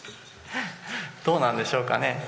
どうなんでしょうかね。